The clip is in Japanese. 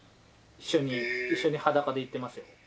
一緒に裸で行ってますよ。